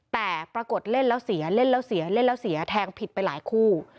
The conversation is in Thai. แต่ปรากฏเล่นแล้วเสียเล่นแล้วเสียเล่นแล้วเสียแทงผิดไปหลายคู่